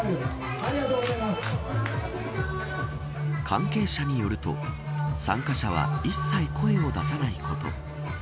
関係者によると参加者は一切声を出さないこと。